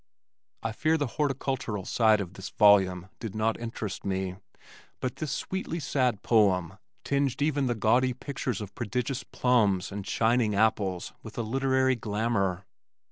I fear the horticultural side of this volume did not interest me, but this sweetly sad poem tinged even the gaudy pictures of prodigious plums and shining apples with a literary glamor.